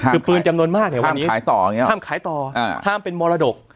คือปืนจำนวนมากห้ามขายต่อห้ามขายต่ออ่าห้ามเป็นมรดก